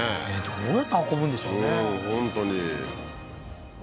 どうやって運ぶんでしょうね